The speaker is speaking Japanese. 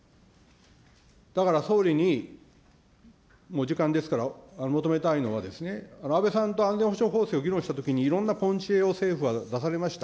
だから総理に、もう時間ですから求めたいのは、安倍さんと安全保障法制を議論したときに、いろんなを政府は出されました。